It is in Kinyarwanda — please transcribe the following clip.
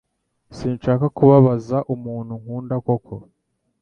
Sinshaka kubabaza umuntu unkunda koko.